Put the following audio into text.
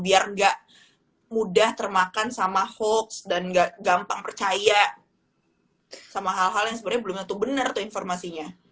biar gak mudah termakan sama hoax dan gak gampang percaya sama hal hal yang sebenarnya belum tentu benar tuh informasinya